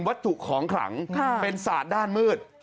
วัตถุของขลังเป็นศาสตร์ด้านมืด